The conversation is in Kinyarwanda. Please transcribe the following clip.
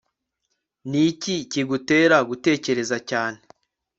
ni iki kigutera gutekereza cyane